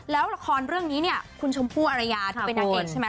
แล้วละครเรื่องนี้เนี่ยคุณชมพู่อรยาเธอเป็นนางเอกใช่ไหม